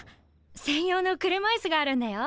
専用の車いすがあるんだよ。